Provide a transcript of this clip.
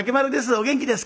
お元気ですか？」。